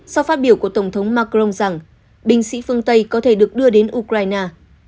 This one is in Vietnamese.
sau phát biểu của tổng thống macron rằng binh sĩ phương tây có thể được đưa đến ukraine